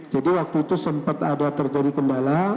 jadi waktu itu sempat ada terjadi kendala